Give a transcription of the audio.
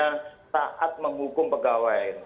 pimpinan yang pertama saat menghukum pegawai